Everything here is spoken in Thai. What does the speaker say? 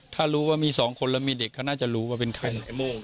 ถ้ารู้ว่ามีสองคนแล้วมีเด็กเขาน่าจะรู้ว่าเป็นใครม่วง